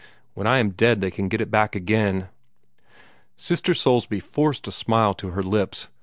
When I am dead they can get it back again!" Sister Soulsby forced a smile to her lips.